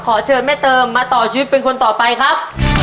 ขอเชิญแม่เติมมาต่อชีวิตเป็นคนต่อไปครับ